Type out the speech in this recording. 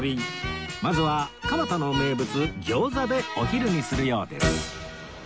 まずは蒲田の名物餃子でお昼にするようです